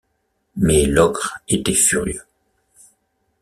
Mais Logre était furieux.